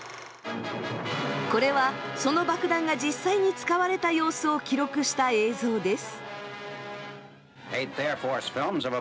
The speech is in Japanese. これはその爆弾が実際に使われた様子を記録した映像です。